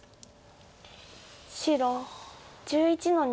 白１１の二。